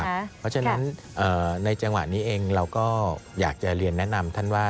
เพราะฉะนั้นในจังหวะนี้เองเราก็อยากจะเรียนแนะนำท่านว่า